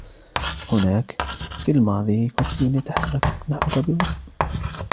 هناك ؟.... في الماضي كرسي يتحرك نحوك ببطء.